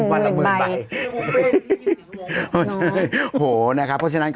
วันละ๑๐๐๐๐ใบโอ้โฮนะครับพวกเชียรัก